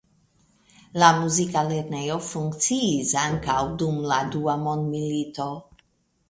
La muzika lernejo funkciis ankaŭ dum la dua mondmilito.